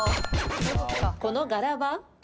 この柄は？